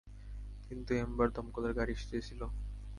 কিন্তু এম্বার দমকলের গাড়ি সেজেছিল।